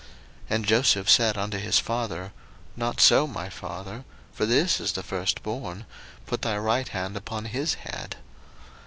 01:048:018 And Joseph said unto his father, Not so, my father: for this is the firstborn; put thy right hand upon his head.